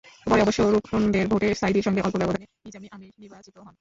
পরে অবশ্য রুকনদের ভোটে সাঈদীর সঙ্গে অল্প ব্যবধানে নিজামী আমির নির্বাচিত হন।